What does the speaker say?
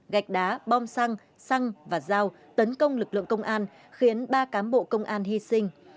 gạch đá bom xăng và dao tấn công lực lượng công an khiến ba cám bộ công an hy sinh